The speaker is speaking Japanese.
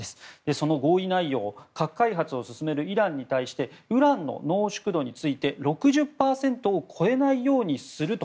その合意内容は核開発を進めるイランに対してウランの濃縮度について６０％を超えないようにすると。